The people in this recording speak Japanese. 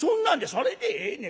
「それでええねん。